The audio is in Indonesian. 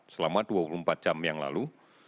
selama dua puluh empat jam yang lalu